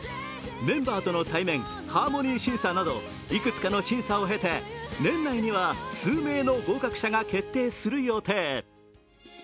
メンバーとの対面、ハーモニー審査などいくつかの審査を経て、年内には数名の合格者が決定する予定。